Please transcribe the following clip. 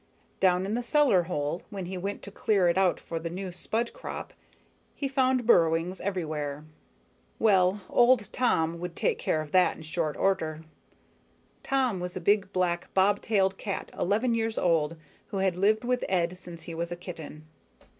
Down in the cellar hole, when he went to clear it out for the new spud crop, he found burrowings everywhere. Well, old Tom would take care of that in short order. Tom was a big, black, bobtailed cat eleven years old who had lived with Ed since he was a kitten.